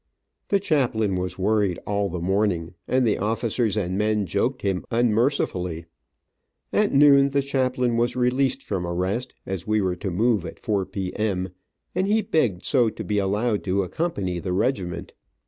The chaplain was worried all the morning, and the officers and men joked him unmercifully. At noon the chaplain was released from arrest, as we were to move at four p. m., and he begged so to be allowed to accompany the regiment.